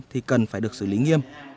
thì cần phải được xử lý nghiêm